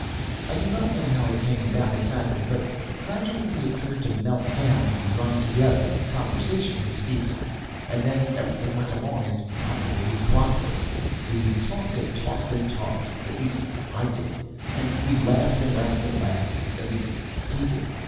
I do not know how it came about exactly, but gradually we appeared to melt down and run together, conversationally speaking, and then everything went along as comfortably as clockwork. We talked, and talked, and talked at least I did; and we laughed, and laughed, and laughed at least he did.